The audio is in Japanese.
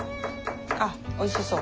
あっおいしそう。